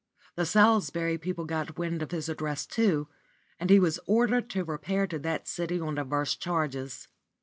The Salisbury people got wind of his address too, and he was ordered to repair to that city on divers charges.